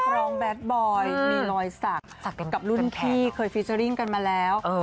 แบดบอยมีรอยสักกับรุ่นพี่เคยฟิเจอร์ริ่งกันมาแล้ว